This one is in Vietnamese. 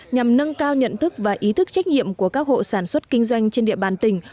nhằm nâng cao nhận thức và ý thức trách nhiệm của các hộ sản xuất kinh doanh trên địa bàn tỉnh